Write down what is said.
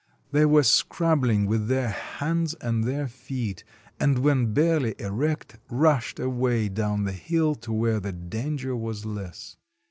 They were scrabbling with their hands and their feet, and when barely erect, rushed away down the hill to where the danger was less.